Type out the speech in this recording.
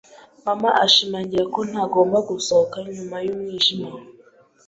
Mama ashimangira ko ntagomba gusohoka nyuma y'umwijima.